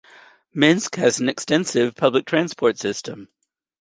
Minsk has an extensive public transport system.